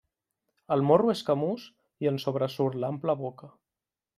El morro és camús i en sobresurt l'ampla boca.